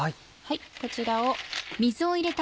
こちらを。